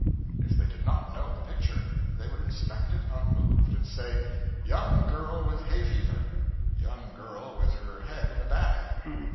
If they did not know the picture, they would inspect it unmoved, and say, 'Young girl with hay fever; young girl with her head in a bag.'